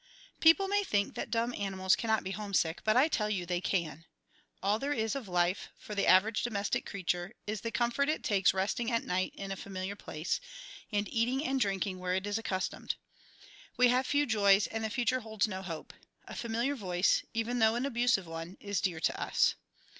People may think that dumb animals cannot be homesick, but I tell you they can. All there is of life, for the average domestic creature, is the comfort it takes resting at night in a familiar place, and eating and drinking where it is accustomed. We have few joys, and the future holds no hope. A familiar voice, even though an abusive one, is dear to us.